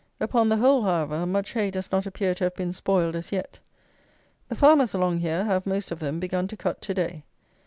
Upon the whole, however, much hay does not appear to have been spoiled as yet. The farmers along here, have, most of them, begun to cut to day.